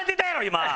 今。